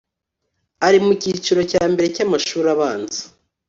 ari mu kiciro cya mbere cy’amashuri abanza